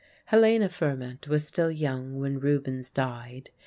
Helena Fourment was still young when Rubens died.